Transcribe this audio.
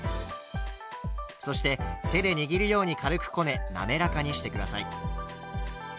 そして手で握るように軽くこね滑らかにして下さい。